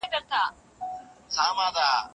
زه کور نه پاکوم.